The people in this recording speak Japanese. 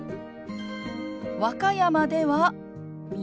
和歌山では「水」。